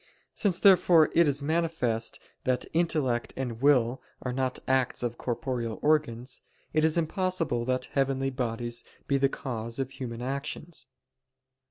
Since, therefore, it is manifest that intellect and will are not acts of corporeal organs, it is impossible that heavenly bodies be the cause of human actions.